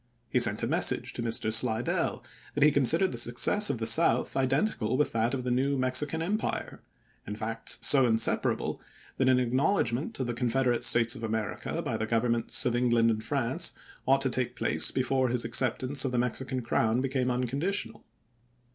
He sent a message A?cwves. to Mr. Slidell that he considered the success of the South identical with that of the new Mexican em pire, in fact so inseparable that an acknowledg ment of the Confederate States of America by the governments of England and France ought to take place before his acceptance of the Mexican crown became unconditional.